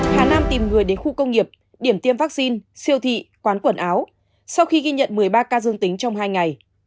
hà nam tìm người đến khu công nghiệp điểm tiêm vaccine siêu thị quán quần áo sau khi ghi nhận một mươi ba ca dương tính trong hai ngày